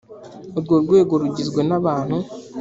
urwo rwego rugizwe n abantu